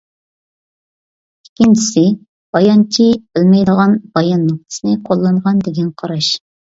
ئىككىنچىسى، بايانچى «بىلمەيدىغان» بايان نۇقتىسىنى قوللانغان دېگەن قاراش.